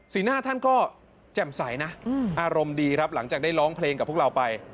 หน้าท่านก็แจ่มใสนะอารมณ์ดีครับหลังจากได้ร้องเพลงกับพวกเราไป